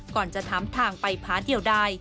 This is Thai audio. ก่อนจะถามทางไปผาเดียวใด